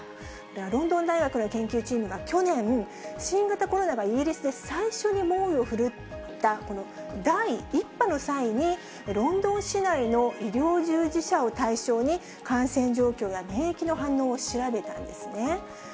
ロンドン大学の研究チームが去年、新型コロナがイギリスで最初に猛威を振るった、この第１波の際に、ロンドン市内の医療従事者を対象に、感染状況や免疫の反応を調べたんですね。